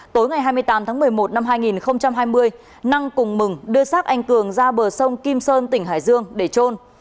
tối ngày hai mươi tám tháng một mươi một năm hai nghìn hai mươi năng cùng mừng đưa xác anh cường ra bờ sông kim sơn tỉnh hải dương để trôn